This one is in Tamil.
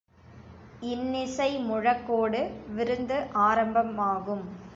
இன்னிசை முழக்கோடு விருந்து ஆரம்பமாகும்.